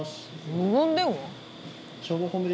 無言電話？